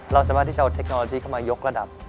เราสามารถที่จะเอาเทคโนโลยีเข้ามายกระดับ